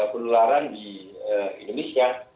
penularan di indonesia